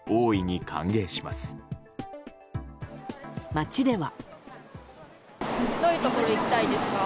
街では。